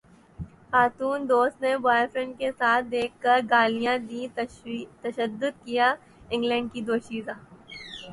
خاتون دوست نے بوائے فرینڈ کے ساتھ دیکھ کر گالیاں دیں تشدد کیا انگلینڈ کی دوشیزہ